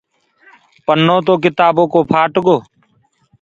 پنو تو ڪِتآبو ڪو ڦآٽ گو۔